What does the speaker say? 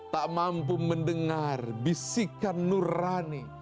tak mampu mendengar bisikan nurani